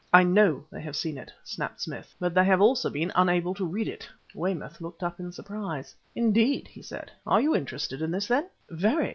"I know they have seen it!" snapped Smith; "but they have also been unable to read it!" Weymouth looked up in surprise. "Indeed," he said. "You are interested in this, then?" "Very!